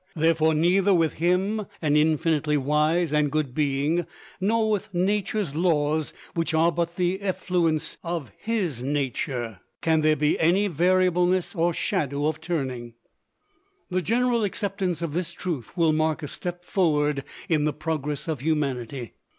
Therefore, neither with Him an infinitely wise and good being nor with Nature's laws, which are but the effluence of His nature, can there be any "variableness or shadow of turning." The general acceptance of this truth will mark a step forward in the progress of humanity.